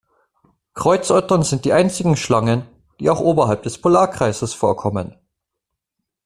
Kreuzottern sind die einzigen Schlangen, die auch oberhalb des Polarkreises vorkommen.